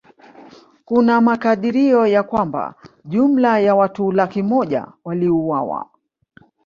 Kuna makadirio ya kwamba jumla ya watu laki moja waliuawa